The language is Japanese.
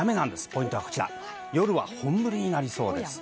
ポイントは夜は本降りになりそうです。